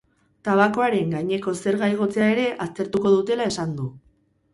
Tabakoaren gaineko zerga igotzea ere aztertuko dutela esan du.